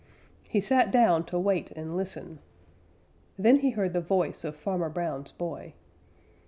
He sat down to wait and listen. Then he heard the voice of Farmer Brown's boy.